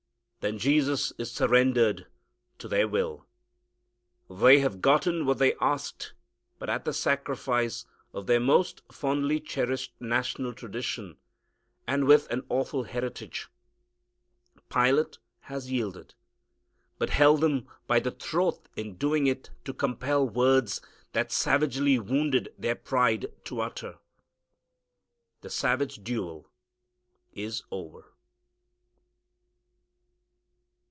Then Jesus is surrendered to their will. They have gotten what they asked, but at the sacrifice of their most fondly cherished national tradition and with an awful heritage. Pilate has yielded, but held them by the throat in doing it to compel words that savagely wounded their pride to utter. The savage duel is over.